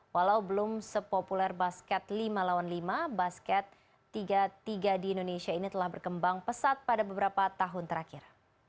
walau belum sepopuler basket lima lawan lima basket tiga tiga di indonesia ini telah berkembang pesat pada beberapa tahun terakhir